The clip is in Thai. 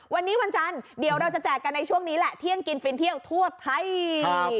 วันนี้วันจันทร์เดี๋ยวเราจะแจกกันในช่วงนี้แหละเที่ยงกินฟินเที่ยวทั่วไทย